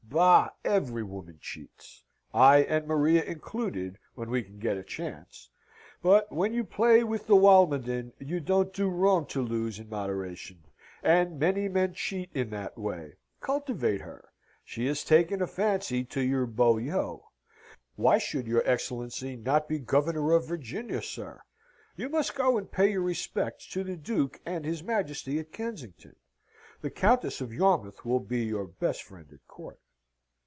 Bah! every woman cheats, I and Maria included, when we can get a chance. But when you play with the Walmoden, you don't do wrong to lose in moderation; and many men cheat in that way. Cultivate her. She has taken a fancy to your beaux yeux. Why should your Excellency not be Governor of Virginia, sir? You must go and pay your respects to the Duke and his Majesty at Kensington. The Countess of Yarmouth will be your best friend at court."